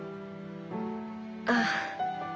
ああ。